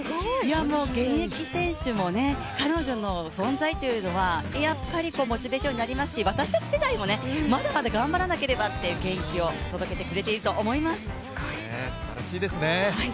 現役選手も彼女の存在というのはやっぱりモチベーションになりますし、私たち世代もまだまだ頑張らなければという気持ちになりますよね。